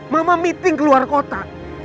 mama meeting ke luar kota